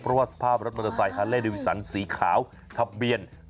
เพราะว่าสภาพรถมันจะใส่ฮาเลดิวิสันสีขาวทะเบียน